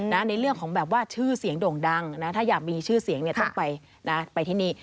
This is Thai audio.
ในเรื่องของแบบว่าชื่อเสียงโด่งดังนะถ้าอยากมีชื่อเสียงต้องไปที่นี่